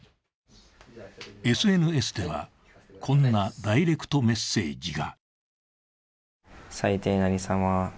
ＳＮＳでは、こんなダイレクトメッセージが。